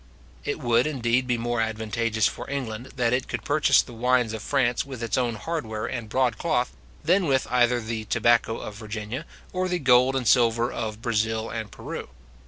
It would, indeed, be more advantageous for England that it could purchase the wines of France with its own hardware and broad cloth, than with either the tobacco of Virginia, or the gold and silver of Brazil and Peru.